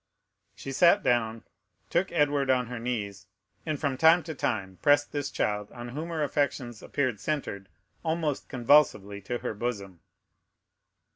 She sat down, took Edward on her knees, and from time to time pressed this child, on whom her affections appeared centred, almost convulsively to her bosom.